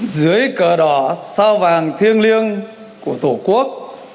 dưới cờ đỏ sao vàng thiêng liêng của tổ quốc